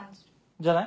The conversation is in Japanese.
じゃない？